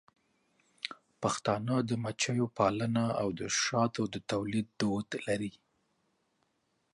پښتانه د مچیو پالنه او د شاتو د تولید دود لري.